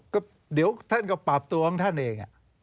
ก็เดี๋ยวท่านก็ปรับตัวของท่านเอง